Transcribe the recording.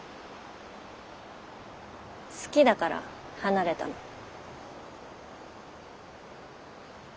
好きだから離れたの。